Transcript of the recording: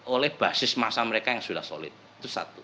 oleh basis masa mereka yang sudah solid itu satu